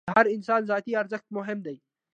د هر انسان ذاتي ارزښت مهم دی.